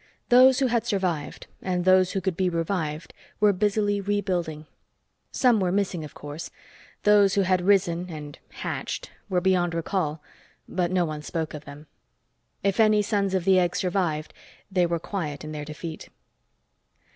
Those who had survived and those who could be revived were busily rebuilding. Some were missing, of course. Those who had risen and hatched were beyond recall, but no one spoke of them. If any Sons of the Egg survived, they were quiet in their defeat.